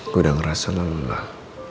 gue udah ngerasa lelah